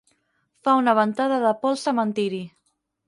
Fa una ventada de por al cementiri.